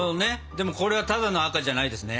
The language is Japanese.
でもこれはただの赤じゃないですね。